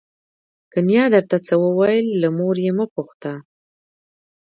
که نیا درته څه وویل له مور یې مه پوښته.